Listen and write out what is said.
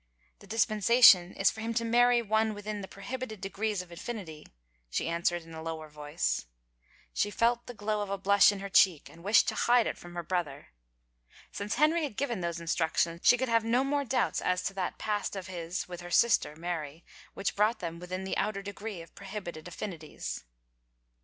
" The dispensa tion is for him to marry one within the prohibited degrees of affinity," she answered in a lower voice. She felt the glow of a blush in her cheek and wished to hide it from 144 THE ENLIGHTENMENT her brother. Since Henry had given those instructions she could have no more doubts as to that past of his with her sister Mary which brought them within the outer degree of prohibited affinities.